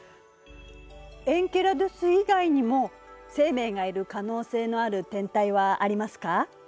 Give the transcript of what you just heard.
エンケラドゥス以外にも生命がいる可能性のある天体はありますか？